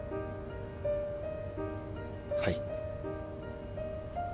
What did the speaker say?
はい。